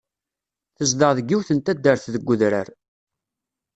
Tezdeɣ deg yiwet n taddart deg udrar.